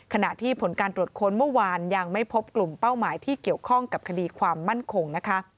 ขณะที่ผลการตรวจค้นเมื่อวานยังไม่พบกลุ่มเป้าหมายที่เกี่ยวข้องกับคดีความมั่นคงนะคะ